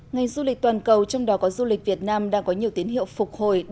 ngày du lịch toàn cầu trong đó có du lịch việt nam đang có nhiều tín hiệu phục hồi